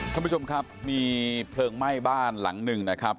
ท่านผู้ชมครับมีเพลิงไหม้บ้านหลังหนึ่งนะครับ